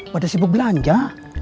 pada sibuk belanja